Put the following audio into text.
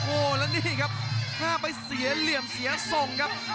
โอ้โหแล้วนี่ครับห้ามไปเสียเหลี่ยมเสียทรงครับ